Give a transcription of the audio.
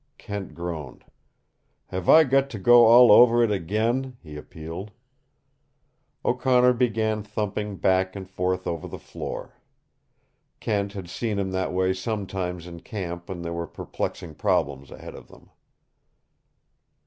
Kent groaned. "Have I got to go all over it again?" he appealed. O'Connor began thumping back and forth over the floor. Kent had seen him that way sometimes in camp when there were perplexing problems ahead of them.